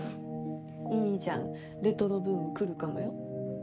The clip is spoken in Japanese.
いいじゃんレトロブーム来るかもよ。